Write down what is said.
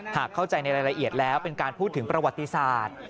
หากเข้าใจในรายละเอียดแล้วเป็นการพูดถึงประวัติศาสตร์